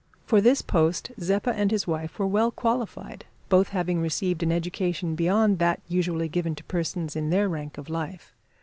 For this post Zeppa and his wife were well qualified, both having received an education beyond that usually given to persons in their rank of life.